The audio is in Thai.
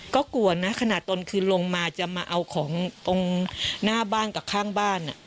ก็กลัวนะขนาดตนคือลงมาจะมาเอาของตรงหน้าบ้านกับข้างบ้าน